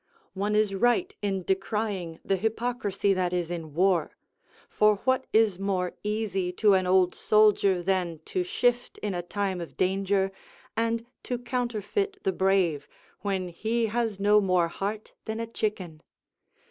One is right in decrying the hypocrisy that is in war; for what is more easy to an old soldier than to shift in a time of danger, and to counterfeit the brave when he has no more heart than a chicken?